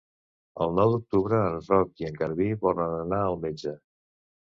El nou d'octubre en Roc i en Garbí volen anar al metge.